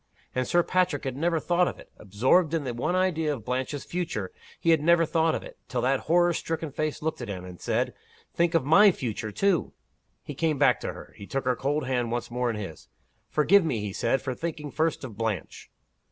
And Sir Patrick had never thought of it! Absorbed in the one idea of Blanche's future, he had never thought of it, till that horror stricken face looked at him, and said, Think of my future, too! He came back to her. He took her cold hand once more in his. "Forgive me," he said, "for thinking first of Blanche."